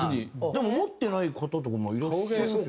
でも持ってない方とかもいらっしゃいますよね。